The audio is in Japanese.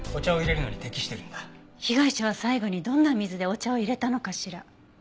被害者は最後にどんな水でお茶を淹れたのかしら。